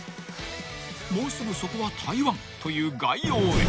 もうすぐそこは台湾という外洋へ］